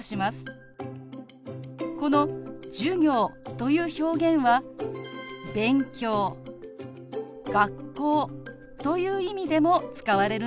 この「授業」という表現は「勉強」「学校」という意味でも使われるんですよ。